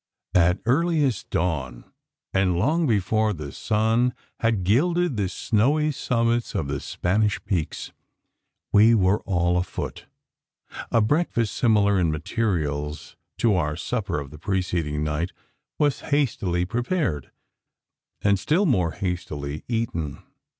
At earliest dawn, and long before the sun had gilded the snowy summits of the Spanish peaks, we were all afoot. A breakfast similar in materials to our supper of the preceding night was hastily prepared, and still more hastily eaten.